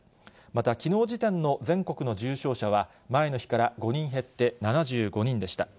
また、きのう時点の全国の重症者は、前の日から５人減って７５人でした。